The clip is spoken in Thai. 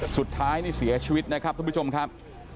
สุดท้ายนี่เสียชีวิตนะครับทุกผู้ชมครับ